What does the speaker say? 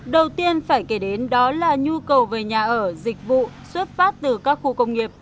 đầu tiên phải kể đến đó là nhu cầu về nhà ở dịch vụ xuất phát từ các khu công nghiệp